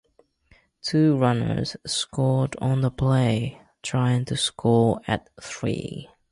Two runners scored on the play, tying the score at three.